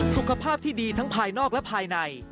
สุขภาพที่ดีทั้งภายนอกและภายใน